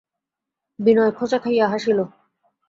বিনয় খোঁচা খাইয়া হাসিল।